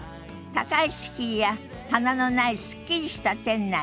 高い敷居や棚のないすっきりした店内。